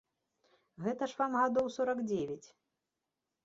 Гэта ж вам гадоў сорак дзевяць.